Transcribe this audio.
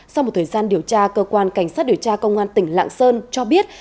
sau một thời gian điều tra cơ quan cảnh sát điều tra công an tỉnh lạng sơn cho biết